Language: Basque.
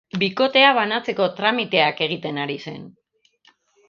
Bikotea banatzeko tramiteak egiten ari zen.